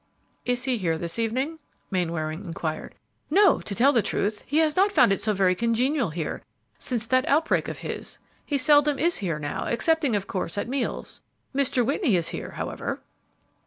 "Is he here this evening?" Mainwaring inquired. "No; to tell the truth, he has not found it so very congenial here since that outbreak of his; he seldom is here now, excepting, of course, at meals. Mr. Whitney is here, however."